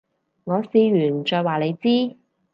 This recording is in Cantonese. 我試完再話你知